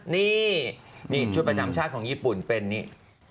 นี่นี่ชุดประจำชาติของญี่ปุ่นเป็นนี่